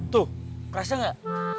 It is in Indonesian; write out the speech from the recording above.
tuh kerasa gak